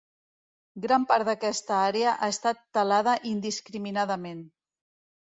Gran part d'aquesta àrea ha estat talada indiscriminadament.